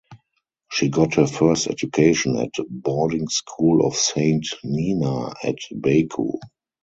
She got her first education at Boarding School of Saint Nina at Baku.